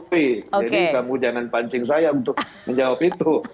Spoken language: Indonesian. jadi kamu jangan pancing saya untuk menjawab itu